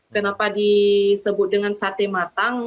kenapa disebut dengan sate matang